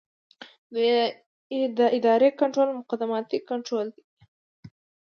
د ادارې کنټرول مقدماتي کنټرول دی.